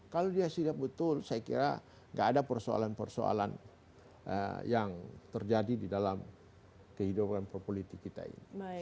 kalau dia siap betul saya kira nggak ada persoalan persoalan yang terjadi di dalam kehidupan perpolitik kita ini